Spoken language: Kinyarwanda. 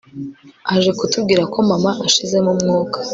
aje kutubwira ko mama ashizemo umwuka